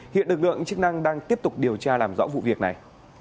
hiện lực lượng chức năng đang tiếp tục điều tra làm rõ vụ việc này